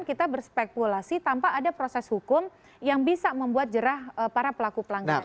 kita berspekulasi tanpa ada proses hukum yang bisa membuat jerah para pelaku pelanggaran